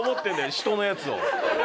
人のやつを。